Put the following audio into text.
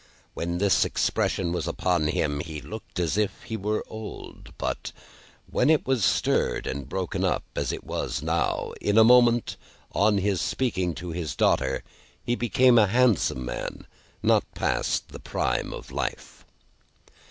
When this expression was upon him, he looked as if he were old; but when it was stirred and broken up as it was now, in a moment, on his speaking to his daughter he became a handsome man, not past the prime of life.